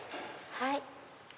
はい。